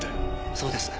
そうです。